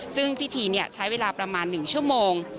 ซึ่งพิธีใช้เวลาประมาณ๑ชั่วโมง